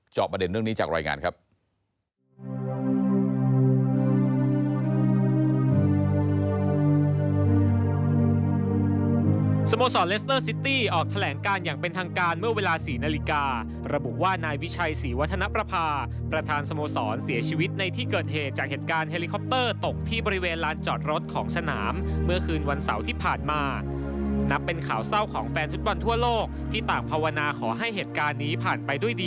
ประเด็นเรื่องนี้จากรายงานครับ